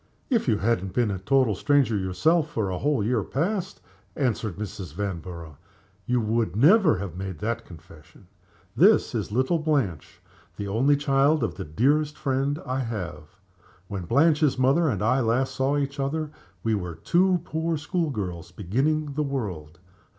"If you had not been a total stranger yourself for a whole year past," answered Mrs. Vanborough, "you would never have made that confession. This is little Blanche the only child of the dearest friend I have. When Blanche's mother and I last saw each other we were two poor school girls beginning the world.